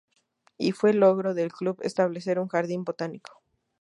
Y fue logro del club establecer un jardín botánico.